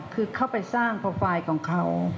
คือเข้าไปสร้างโปรไฟล์ของเขา